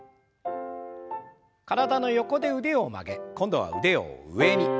体の横で腕を曲げ今度は腕を上に。